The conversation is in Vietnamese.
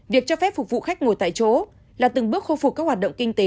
việc cho phép phục vụ khách ngồi tại chỗ là từng bước khôi phục các hoạt động kinh tế